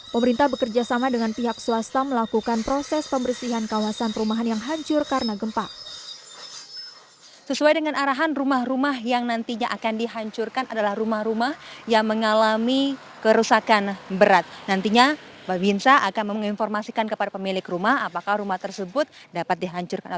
pemerintah bekerjasama dengan pihak swasta melakukan proses pembersihan kawasan perumahan yang hancur karena gempa